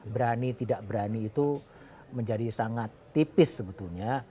berani tidak berani itu menjadi sangat tipis sebetulnya